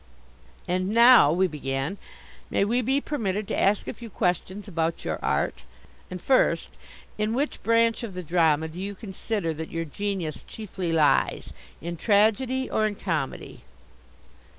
"And now," we began, "may we be permitted to ask a few questions about your art? And first, in which branch of the drama do you consider that your genius chiefly lies, in tragedy or in comedy?"